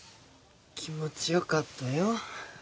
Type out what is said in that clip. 気持ちよかったよ